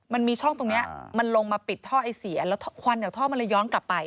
มันมีช่องตรงนี้มันลงมาปิดท่อไอเสียแล้วควันจากท่อมันเลยย้อนกลับไป